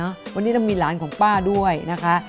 วันนี้ท่าก็ต้องมีหลานของป้าด้วยนะคะ